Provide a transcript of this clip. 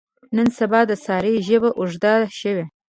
نن سبا د سارې ژبه اوږده شوې.